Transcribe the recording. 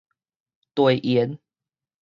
題緣